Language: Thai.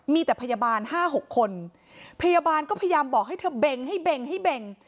มีแต่พยาบาลห้าหกคนพยาบาลก็พยายามบอกให้เธอเบ่งให้เบงให้เบง